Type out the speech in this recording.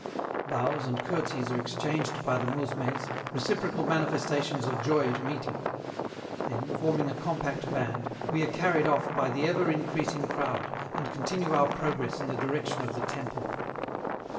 Bows and curtseys are exchanged by the mousmes, reciprocal manifestations of joy at meeting; then, forming a compact band, we are carried off by the ever increasing crowd and continue our progress in the direction of the temple.